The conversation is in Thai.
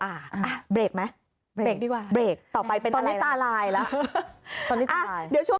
อ่ะเบรกไหมเบรกดีกว่าเบรกต่อไปเป็นอะไรตอนนี้ตาลายละตอนนี้ตาลาย